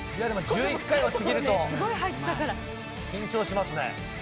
１１回を過ぎると緊張しますね。